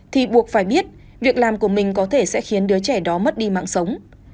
thì buộc phải biết việc làm của mình có thể sẽ khiến đứa trẻ đó mất đi mạng sống